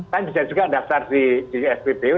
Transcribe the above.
kan bisa juga daftar di spbu